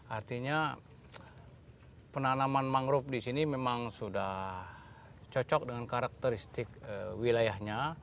artinya penanaman mangrove di sini memang sudah cocok dengan karakteristik wilayahnya